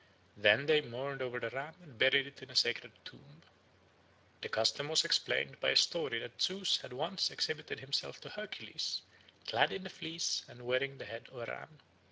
Then they mourned over the ram and buried it in a sacred tomb. The custom was explained by a story that Zeus had once exhibited himself to Hercules clad in the fleece and wearing the head of a ram.